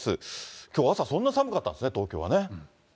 きょう朝、そんなに寒かったんですね、東京はね。